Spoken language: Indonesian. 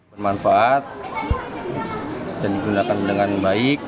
bermanfaat dan digunakan dengan baik